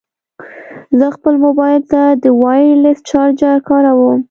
زه خپل مبایل ته د وایرلیس چارجر کاروم.